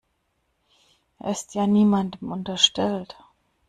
Er ist ja niemandem unterstellt.